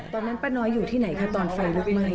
ตอนนั้นป้าน้อยอยู่ที่ไหนคะตอนไฟลุกมืด